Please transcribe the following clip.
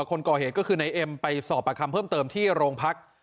คนก่อเหตุก็คือนายเอ็มไปสอบประคำเพิ่มเติมที่โรงพัก